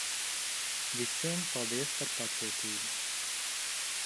Visiem, paldies par pacietību.